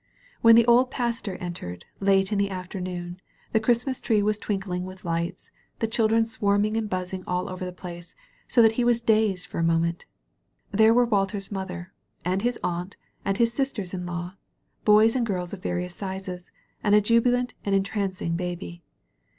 When the old Pastor entered, late in the after noon, the Christmas tree was twinkling with lights, the children swarming and buzzing all over the place, so that he was dazed for a moment. There were Walter's mother and his aunt and his sisters in law, boys and girls of various sizes, and a jubilant and entrancing baby.